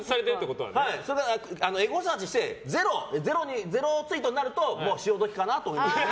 エゴサーチしてゼロツイートになると潮時かなと思います。